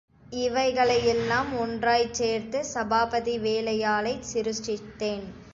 இவைகளையெல்லாம் ஒன்றாய்ச் சேர்த்து, சபாபதி வேலையாளைச் சிருஷ்டித்தேன்.